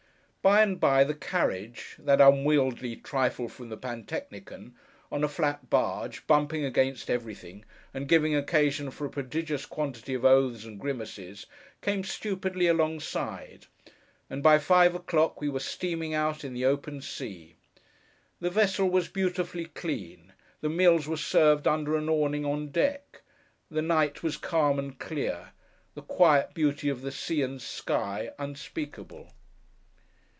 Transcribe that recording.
By and by, the carriage, that unwieldy 'trifle from the Pantechnicon,' on a flat barge, bumping against everything, and giving occasion for a prodigious quantity of oaths and grimaces, came stupidly alongside; and by five o'clock we were steaming out in the open sea. The vessel was beautifully clean; the meals were served under an awning on deck; the night was calm and clear; the quiet beauty of the sea and sky unspeakable.